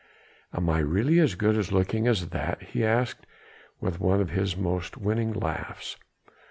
"Am I really as good looking as that?" he asked with one of his most winning laughs.